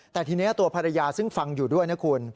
แต่ทีนี้ตัวภรรยาซึ่งฟังอยู่ด้วยนะคุณ